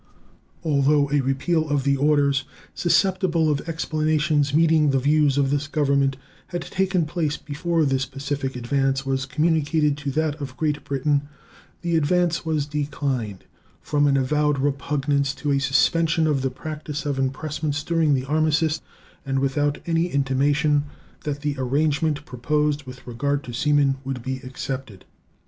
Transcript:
Although a repeal of the orders susceptible of explanations meeting the views of this Government had taken place before this pacific advance was communicated to that of Great Britain, the advance was declined from an avowed repugnance to a suspension of the practice of impressments during the armistice, and without any intimation that the arrangement proposed with regard to sea men would be accepted.